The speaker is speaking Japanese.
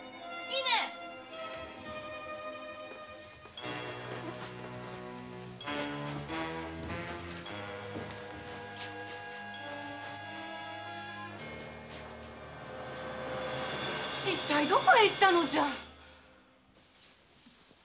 一体どこへ行ったのじゃ？